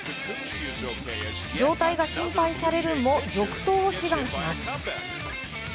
状態が心配されるも続投を志願します。